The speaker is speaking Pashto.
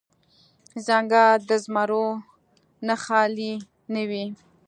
ـ ځنګل د زمرو نه خالې نه وي.